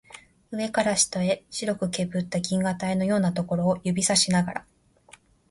上から下へ白くけぶった銀河帯のようなところを指さしながら